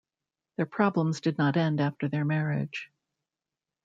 Their problems did not end after their marriage.